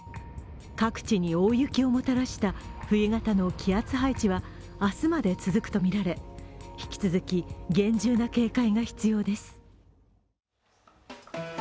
各地に大雪をもたらした冬型の気圧配置は明日まで続くとみられ、引き続き厳重な警戒が必要です。